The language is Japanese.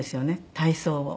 体操を。